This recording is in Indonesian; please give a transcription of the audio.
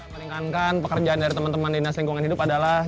peninggalkan pekerjaan dari teman teman di nas lingkungan hidup adalah